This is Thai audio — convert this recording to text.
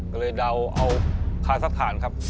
ก็เลยเดาเอาคาซักฐานครับ